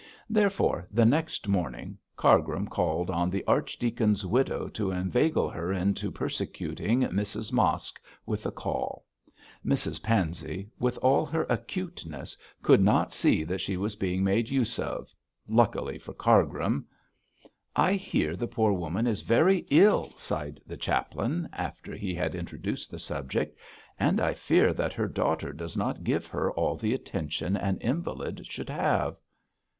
Therefore, the next morning, Cargrim called on the archdeacon's widow to inveigle her into persecuting Mrs Mosk with a call. Mrs Pansey, with all her acuteness, could not see that she was being made use of luckily for Cargrim. 'I hear the poor woman is very ill,' sighed the chaplain, after he had introduced the subject, 'and I fear that her daughter does not give her all the attention an invalid should have.'